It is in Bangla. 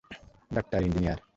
Doctor, engineer.